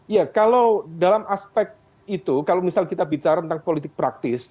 ya kalau dalam aspek itu kalau misal kita bicara tentang politik praktis